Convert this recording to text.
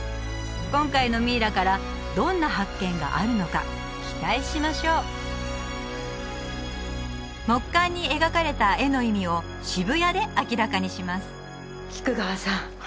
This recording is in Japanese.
今回のミイラからどんな発見があるのか期待しましょう木棺に描かれた絵の意味を渋谷で明らかにします菊川さん